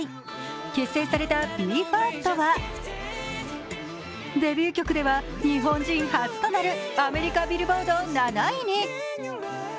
結成されたＢＥ：ＦＩＲＳＴはデビュー曲では日本人初となるアメリカＢｉｌｌｂｏａｒｄ７位に。